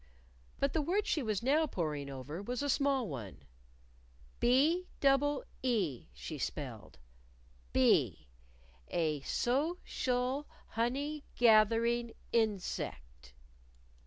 But the word she was now poring over was a small one. "B double e," she spelled; "Bee: a so cial hon ey gath er ing in sect."